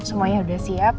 semuanya sudah siap